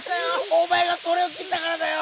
おまえが「それ」をきったからだよ。